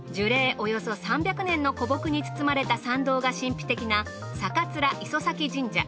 およそ３００年の古木に包まれた参道が神秘的な酒列磯前神社。